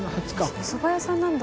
おそば屋さんなんだ。